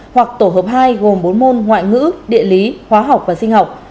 hoặc tổ hợp hai gồm bốn môn ngoại ngữ địa lý hóa học và sinh học